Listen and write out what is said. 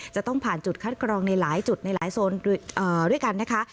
จะต้องผ่านจุดคัดกรองในหลายจุดในหลายโซนด้วยกันนะคะ